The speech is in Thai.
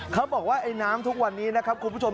เขาบอกว่าไอ้น้ำทุกวันนี้นะครับคุณผู้ชม